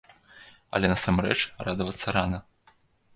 Але насамрэч радавацца рана.